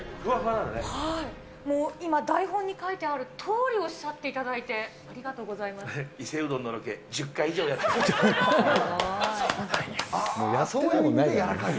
はい、今もう台本に書いてあるとおりにおっしゃっていただいて、ありが伊勢うどんのロケ、１０回以上やっております。